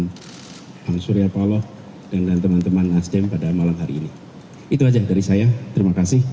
jadi itu adalah perulangan kita dengan pak suriapallah dan dengan teman teman nasdem pada malam hari ini itu aja dari saya terima kasih